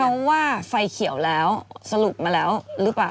ว่าไฟเขียวแล้วสรุปมาแล้วหรือเปล่า